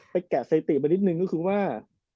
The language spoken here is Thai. แกะสถิติมานิดนึงก็คือว่า